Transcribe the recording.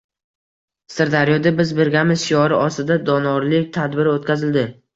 Sirdaryoda “Biz birgamiz” shiori ostida donorlik tadbiri o‘tkazildi